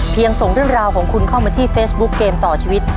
ส่งเรื่องราวของคุณเข้ามาที่เฟซบุ๊คเกมต่อชีวิต